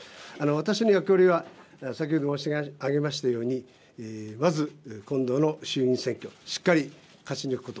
私の役割は先ほど申し上げましたようにまず今度の衆議院選挙、しっかり勝ち抜くこと。